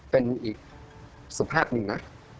เป็นอีกสุภาพหนึ่งนะ